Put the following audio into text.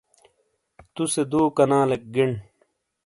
توسے دوکنالیک گݨ۔